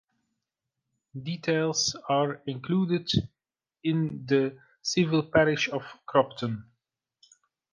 Details are included in the civil parish of Cropton.